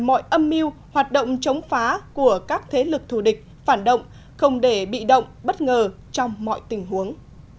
mọi âm mưu hoạt động chống phá của các thế lực thù địch phản động không để bị động bất ngờ trong mọi tình huống